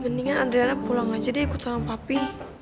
mendingan adriana pulang aja deh ikut sama papi